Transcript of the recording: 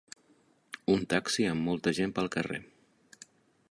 Un taxi amb molta gent pel carrer.